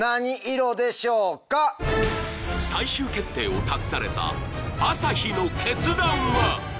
［最終決定を託された朝日の決断は？］